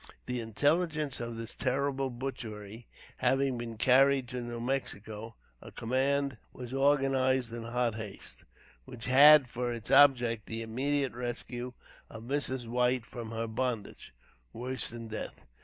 The intelligence of this terrible butchery having been carried to New Mexico, a command was organized in hot haste, which had for its object the immediate rescue of Mrs. White from her bondage, worse than death.